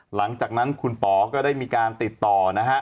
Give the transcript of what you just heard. หลังจากนั้นคุณป๋อก็ได้มีการติดต่อนะฮะ